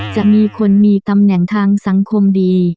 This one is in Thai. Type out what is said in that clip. จะมีคนมีตำแหน่งทางสังคมดี